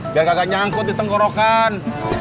biar kagak nyangkut di tenggorokan